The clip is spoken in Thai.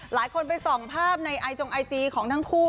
ไปส่องภาพในไอจงไอจีของทั้งคู่